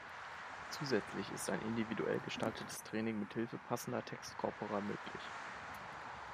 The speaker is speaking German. Zusätzlich ist ein individuell gestaltetes Training mit Hilfe passender Textkorpora möglich.